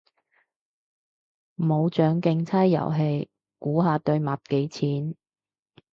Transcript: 冇獎競猜遊戲，估下對襪幾錢？